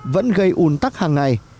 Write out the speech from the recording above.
vẫn gây ồn tắc hàng ngày